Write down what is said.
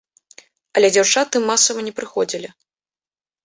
Але дзяўчаты масава не прыходзілі.